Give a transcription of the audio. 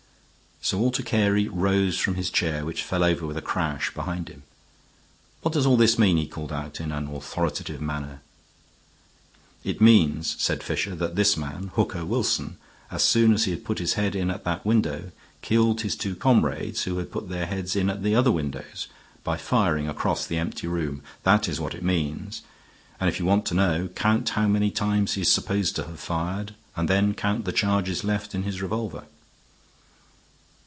Sir Walter Carey rose from his chair, which fell over with a crash behind him. "What does all this mean?" he called out in an authoritative manner. "It means," said Fisher, "that this man, Hooker Wilson, as soon as he had put his head in at that window, killed his two comrades who had put their heads in at the other windows, by firing across the empty room. That is what it means. And if you want to know, count how many times he is supposed to have fired and then count the charges left in his revolver."